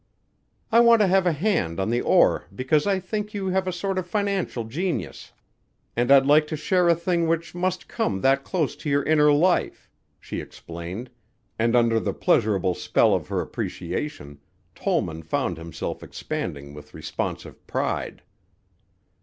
"I want to have a hand on the oar because I think you have a sort of financial genius and I'd like to share a thing which must come that close to your inner life," she explained, and under the pleasurable spell of her appreciation Tollman found himself expanding with responsive pride.